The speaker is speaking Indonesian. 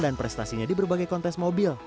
dan prestasinya di berbagai kontes mobil